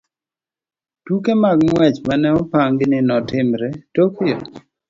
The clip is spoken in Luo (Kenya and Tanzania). Tuke mag ng'wech ma ne opangi ni timore Tokyo.